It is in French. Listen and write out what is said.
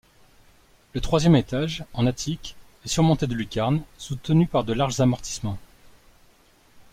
Le troisième étage, en attique, est surmonté de lucarnes soutenues par de larges amortissements.